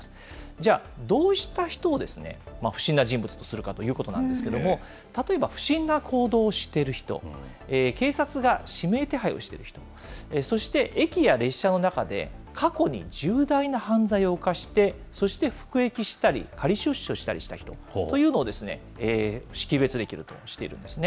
じゃあ、どうした人を不審な人物とするかということなんですけれども、例えば不審な行動をしている人、警察が指名手配をしている人、そして駅や列車の中で、過去に重大な犯罪を犯して、そして、服役したり、仮出所したりした人というのを識別できるとしているんですね。